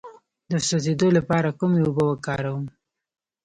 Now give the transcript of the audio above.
د سوځیدو لپاره کومې اوبه وکاروم؟